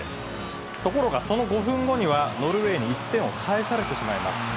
ところがその５分後には、ノルウェーに１点を返されてしまいます。